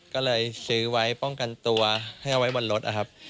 ก็เลยซื้อไว้ป้องกันตัวให้เอาไว้บนรถนะครับ